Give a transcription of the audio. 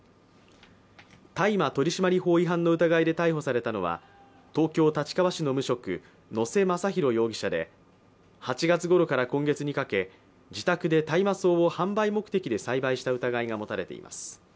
大麻取締法違反の疑いで逮捕されたのは、東京・立川市の無職、野瀬雅大容疑者で８月ごろから今月にかけ自宅で大麻草を販売目的で栽培した疑いが持たれています。